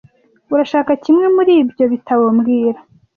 Urashaka kimwe muri ibyo bitabo mbwira